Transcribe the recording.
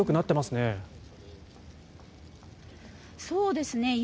そうですね。